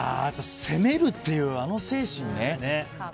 攻めるっていう、あの精神ね。